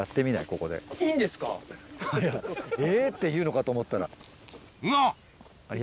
早っ「え！」って言うのかと思ったら。